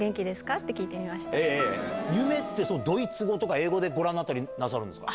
っ夢って、ドイツ語とか英語でご覧になったりなさるんですか？